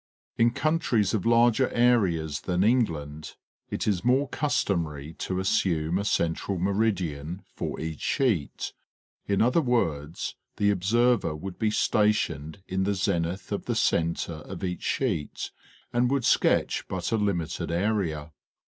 In countries of larger areas than England it is more customary to assume a central meridian for each sheet, in other words, the observer would be stationed in the zenith of the center of each sheet and would sketch but a limited area.